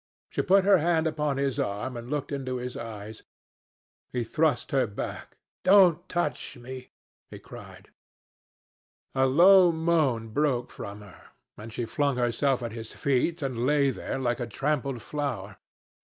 She put her hand upon his arm and looked into his eyes. He thrust her back. "Don't touch me!" he cried. A low moan broke from her, and she flung herself at his feet and lay there like a trampled flower.